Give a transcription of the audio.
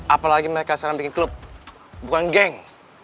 apalagi mereka sekarang bikin klub bukan geng